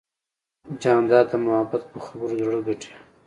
جانداد د محبت په خبرو زړه ګټي.